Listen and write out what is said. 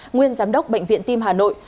nguyên giám đốc bệnh viện tim hà nội